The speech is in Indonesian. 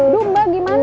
duh mbak gimana nih